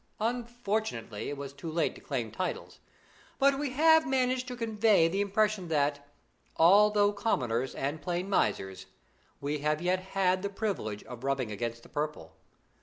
Unfortunately, it was too late to claim titles; but we have managed to convey the impression that, although commoners and plain misters, we have yet had the privilege of rubbing against the purple.